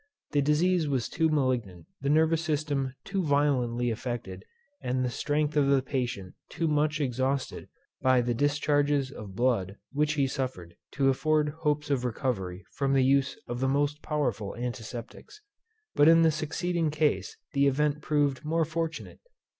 The disease was too malignant, the nervous system too violently affected, and the strength of the patient too much exhausted by the discharges of blood which he suffered, to afford hopes of recovery from the use of the most powerful antiseptics. But in the succeeding case the event proved more fortunate.